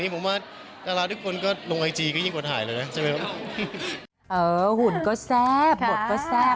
มีถ่ายเซ็กซี่ไหมคะหรือว่าดูในไอจี